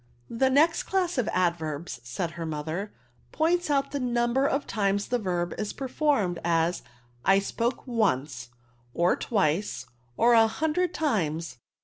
"^'' The next elass of advetbs/' said her mother, ^points out the number of times the verb is performed ^ asy I i^ke enee^ <xe twice, or a hundred times.